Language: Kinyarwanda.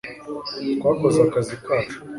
twakoze akazi kacu